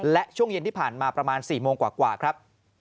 และช่วงเย็นที่ผ่านมาประมาณ๔โมงกว่าครับ